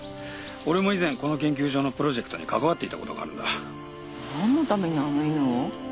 俺も以前この研究所のプロジェクトに関わっていたことがあるんだ。何のためにあの犬を？